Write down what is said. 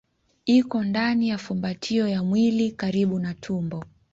Iko ndani ya fumbatio ya mwili karibu na tumbo.